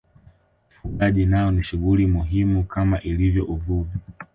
Ufugaji nao ni shughuli muhimu kama ilivyo uvuvi